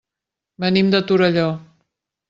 Venim de Torelló.